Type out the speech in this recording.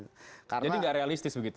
jadi nggak realistis begitu